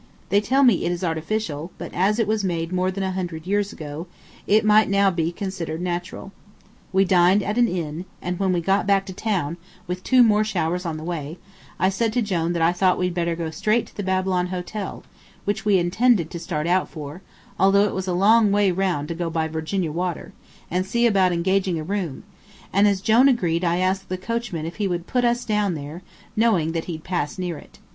They tell me it is artificial, but as it was made more than a hundred years ago, it might now be considered natural. We dined at an inn, and when we got back to town, with two more showers on the way, I said to Jone that I thought we'd better go straight to the Babylon Hotel, which we intended to start out for, although it was a long way round to go by Virginia Water, and see about engaging a room; and as Jone agreed I asked the coachman if he would put us down there, knowing that he'd pass near it.